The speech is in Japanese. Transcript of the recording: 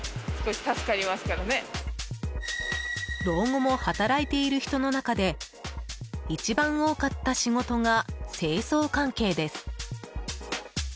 老後も働いている人の中で一番多かった仕事が清掃関係です。